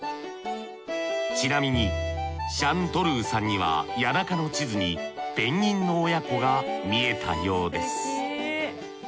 ちなみにシャントルウさんには谷中の地図にペンギンの親子が見えたようです